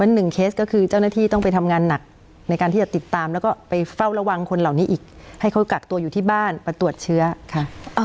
หนึ่งเคสก็คือเจ้าหน้าที่ต้องไปทำงานหนักในการที่จะติดตามแล้วก็ไปเฝ้าระวังคนเหล่านี้อีกให้เขากักตัวอยู่ที่บ้านไปตรวจเชื้อค่ะ